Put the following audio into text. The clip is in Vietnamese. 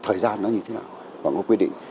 thời gian nó như thế nào